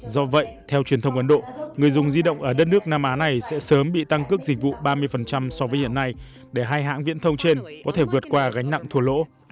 do vậy theo truyền thông ấn độ người dùng di động ở đất nước nam á này sẽ sớm bị tăng cước dịch vụ ba mươi so với hiện nay để hai hãng viễn thông trên có thể vượt qua gánh nặng thua lỗ